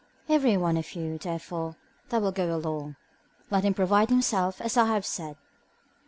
Everyone of you, therefore, that will go along, let him provide himself as I have said.